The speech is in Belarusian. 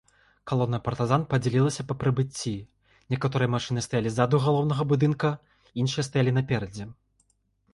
Калона партызан падзялілася па прыбыцці, некаторыя машыны стаялі ззаду галоўнага будынка, іншыя стаялі наперадзе.